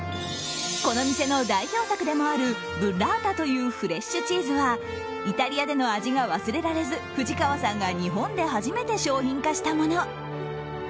この店の代表作でもあるブッラータというフレッシュチーズはイタリアでの味が忘れられず藤川さんが日本で初めて商品化したもの。